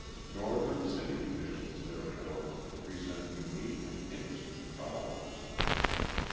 Northern city conditions therefore present unique and interesting problems.